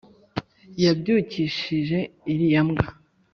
yabyukishije iriya mbwa